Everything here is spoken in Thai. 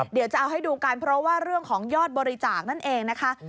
เดี๋ยวจะเอาให้ดูกันเพราะว่าเรื่องของยอดบริจาคนั่นเองนะคะ